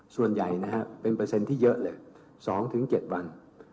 ส่วนใหญ่นะครับเป็นเปอร์เซ็นต์ที่เยอะเลย๒๗วัน